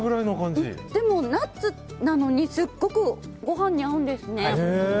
でも、ナッツなのにすごくご飯に合うんですね。